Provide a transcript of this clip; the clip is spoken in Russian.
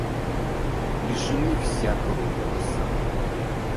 Лишены всякого голоса.